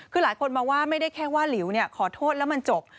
คือหลายคนมองว่าไม่ได้แค่ว่าหลิวขอโทษแล้วมันจบ